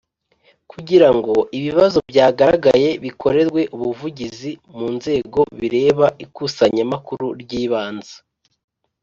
kugira ngo ibibazo byagaragaye bikorerwe ubuvugizi mu nzego bireba Ikusanyamakuru ryibanze